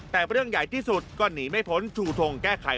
แต่เรื่องใหญ่ที่สุดก็หนีไม่พ้นชูทงแก้ไข